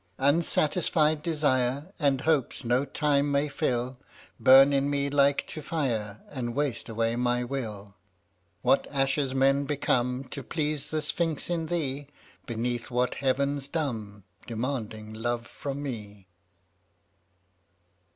$4 Unsatisfied desire And hopes no time may fill, Burn in me like to fire And waste away my will. What ashes men become To please the sphinx in Thee, Beneath what Heavens dumb, Demanding love from me!